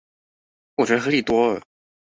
我覺得合理多了